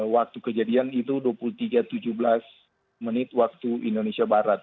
waktu kejadian itu dua puluh tiga tujuh belas menit waktu indonesia barat